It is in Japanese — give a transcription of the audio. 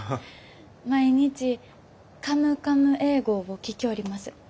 毎日「カムカム英語」を聴きょおります。